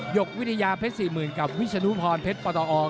หยกวิทยาเพชร๔๐๐๐๐กับวิชนูภรเพชรปฏออ๋